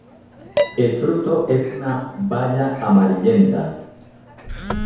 El fruto es una baya amarillenta.